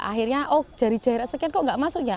akhirnya oh jari jari sekian kok gak masuk ya